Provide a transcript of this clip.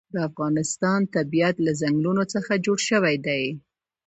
د افغانستان طبیعت له ځنګلونه څخه جوړ شوی دی.